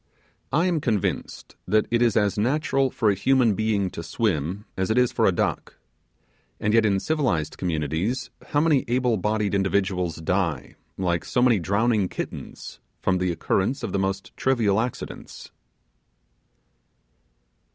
I am convinced that it is as natural for a human being to swim as it is for a duck. And yet in civilized communities how many able bodied individuals die, like so many drowning kittens, from the occurrence of the most trivial accidents!